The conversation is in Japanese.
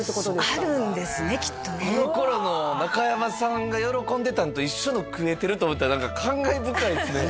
あるんですねきっとねこの頃の中山さんが喜んでたんと一緒の食えてると思ったら何か感慨深いですね